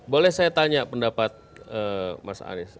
boleh saya tanya pendapat mas anies